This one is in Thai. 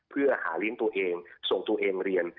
เพื่อหาเลี้ยงตัวเองส่งตัวเองมาเรียน